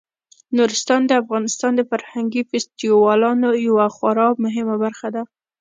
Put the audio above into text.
نورستان د افغانستان د فرهنګي فستیوالونو یوه خورا مهمه برخه ده.